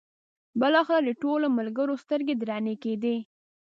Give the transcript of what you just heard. بالاخره د ټولو ملګرو سترګې درنې کېدې.